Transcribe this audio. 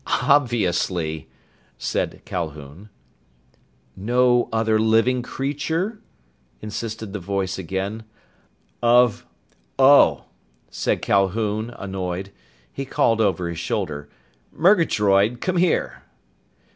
"Obviously!" said Calhoun. "No other living creature?" insisted the voice again. "Of oh!" said Calhoun, annoyed. He called over his shoulder. "Murgatroyd! Come here!"